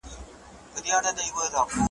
خو د مانا له پلوه یې شعر خورا لوړ دی.